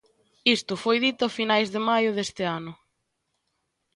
Isto foi dito a finais de maio deste ano.